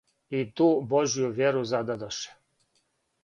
И ту Божју вјеру зададоше